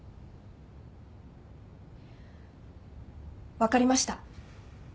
分かりました。